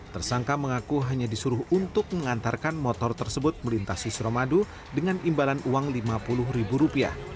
tersangka mengaku hanya disuruh untuk mengantarkan motor tersebut melintasi suramadu dengan imbalan uang rp lima puluh